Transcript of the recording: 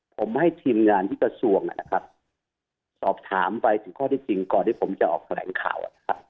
ผมให้ทีมงานที่กระทรวงนะครับสอบถามไปถึงข้อที่จริงก่อนที่ผมจะออกแถลงข่าวนะครับ